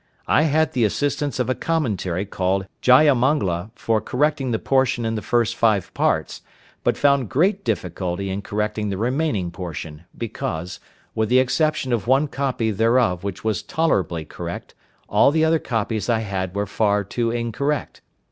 I had the assistance of a Commentary called 'Jayamangla' for correcting the portion in the first five parts, but found great difficulty in correcting the remaining portion, because, with the exception of one copy thereof which was tolerably correct, all the other copies I had were far too incorrect.